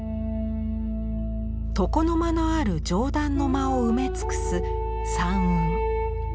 床の間のある上段の間を埋め尽くす「山雲」。